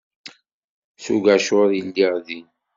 S ugacur i lliɣ din.